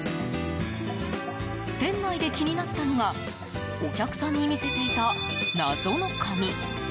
店内で気になったのがお客さんに見せていた謎の紙。